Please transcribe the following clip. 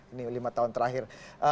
ini lima tahun terakhir